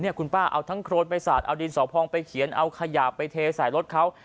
คุณป้าเอาทั้งโครนไปสาดเอาดินสอพองไปเขียนเอาขยะไปเทใส่รถเขา